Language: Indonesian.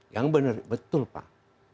yang benar betul pak